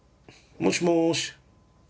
もしもし。